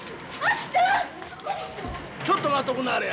ちょっと待っとくなはれや。